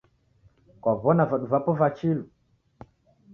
Kwaw'ona vadu vapo va chilu?